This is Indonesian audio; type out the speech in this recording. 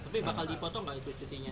tapi bakal dipotong nggak itu cutinya